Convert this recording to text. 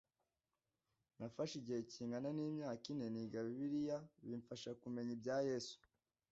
Nafashe igihe kingana n’imyaka ine niga Bibiliya bimfasha kumenya ibya Yesu.